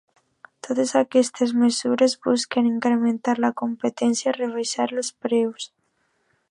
Totes aquestes mesures busquen incrementar la competència i rebaixar els preus.